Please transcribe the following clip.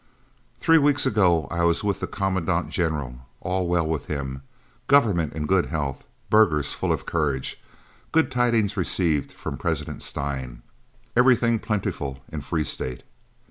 Three weeks ago I was with the Commandant General. All well with him. Government in good health, burghers full of courage. Good tidings received from President Steyn. Everything plentiful in Free State.